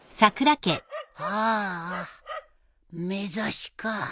ああ目刺しか。